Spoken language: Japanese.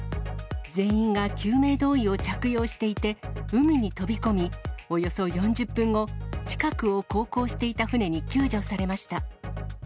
全員が救命胴衣を着用していて、海に飛び込み、およそ４０分後、近くを航行していた船に救助されました。